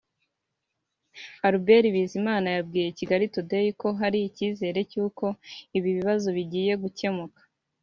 Albert Bizimana yabwiye Kigali Today ko hari icyizere cy’uko ibi bibazo bigiye gukemuka